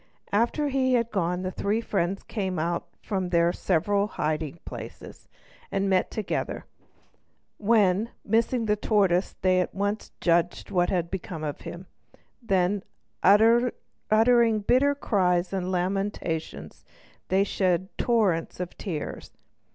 After he had gone the three friends came out from their several hiding places, and met together, when, missing the tortoise, they at once judged what had become of him. Then, uttering bitter cries and lamentations, they shed torrents of tears.